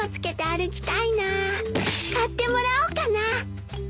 買ってもらおうかな。